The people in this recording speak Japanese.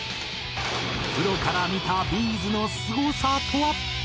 プロから見たＢ’ｚのすごさとは？